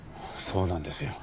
そうなんですよ